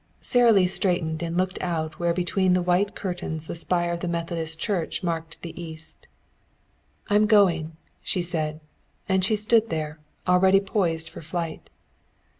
Sara Lee straightened and looked out where between the white curtains the spire of the Methodist Church marked the east. "I'm going," she said. And she stood there, already poised for flight.